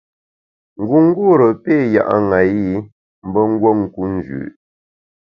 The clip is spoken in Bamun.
Ngungûre péé ya’ ṅayi mbe nguo nku njü.